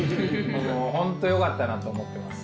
本当よかったなって思ってます。